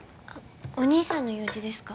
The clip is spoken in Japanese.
お兄さんの用事ですか？